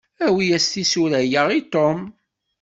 Awi-yas tisura-ya i Tom.